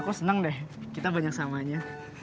kok senang deh kita banyak samanya